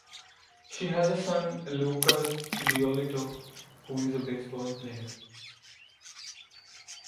She has a son, Lucas Giolito, who is a baseball player.